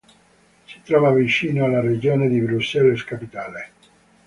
Si trova vicino alla regione di Bruxelles-Capitale.